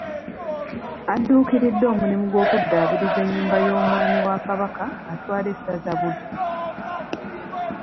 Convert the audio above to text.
Adduukiridde omulimu gw'okuddaabiriza ennyumba y'omwami wa Kabaka atwala essaza Buddu